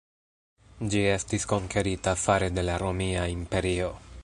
Ĝi estis konkerita fare de la Romia Imperio.